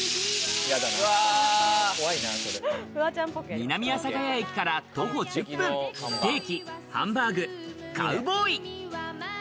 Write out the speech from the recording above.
南阿佐ヶ谷駅から徒歩１０分、ステーキ・ハンバーグカウボーイ。